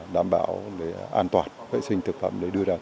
đảm bảo an toàn vệ sinh thực phẩm